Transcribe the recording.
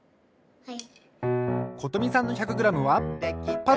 はい。